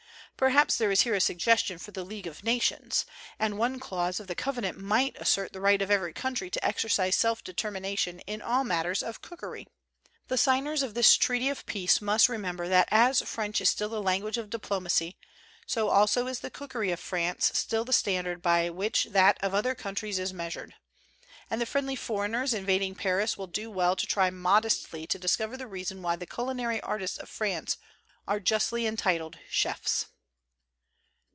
Perhaps there is here a suggestion for the League of Nations; and one clause of the covenant might assert the right of every country to exercise self determination in all matters of cookery. The signers of this treaty of peace must remember that as French is still the language of diplomacy, so also is the cookery of France still the standard by which that of other countries is measured; 188 COSMOPOLITAN COOKERY and the friendly foreigners invading Paris will do well to try modestly to discover the reason why the culinary artists of France are justly entitled chefs.